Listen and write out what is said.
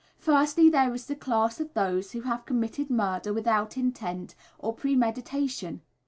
Firstly, there is the class of those who have committed murder without intent or premeditation.